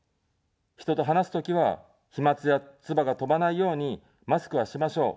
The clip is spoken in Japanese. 人と話すときは、飛まつや、唾が飛ばないように、マスクはしましょう。